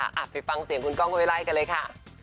อ่ะไปฟังเสียงคุณก้องเว้ไล่กันเลยค่ะ